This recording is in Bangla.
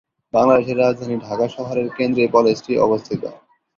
বাংলাদেশের রাজধানী ঢাকা শহরের কেন্দ্রে কলেজটি অবস্থিত।